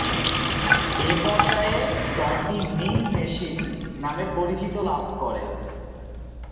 এ পর্যায়ে দলটি mean machine নামে পরিচিতি লাভ করে।